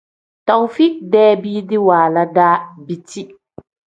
Taufik-dee biidi waala daa biti.